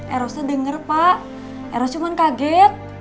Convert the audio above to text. erosnya denger pak eros cuma kaget